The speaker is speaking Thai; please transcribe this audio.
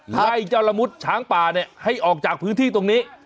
ไล่เจ้าละมุดช้างป่าเนี่ยให้ออกจากพื้นที่ตรงนี้